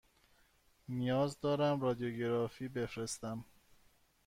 نیاز دارم رادیوگرافی بفرستم.